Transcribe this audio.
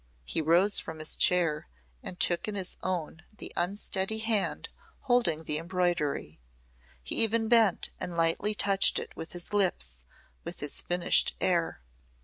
He rose from his chair, and took in his own the unsteady hand holding the embroidery. He even bent and lightly touched it with his lips, with his finished air.